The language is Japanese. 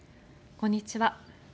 こんにちは。